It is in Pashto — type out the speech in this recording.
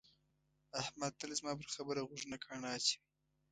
احمد تل زما پر خبره غوږونه ګاڼه اچوي.